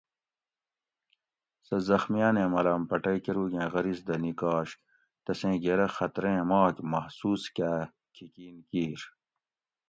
سہ زخمیانیں ملام پٹئ کۤروگیں غرض دہ نکاش تسیں گیرہ خطریں ماک محسوس کاۤ کھی کین کیِر